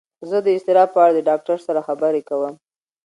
زه د اضطراب په اړه د ډاکتر سره خبرې کوم.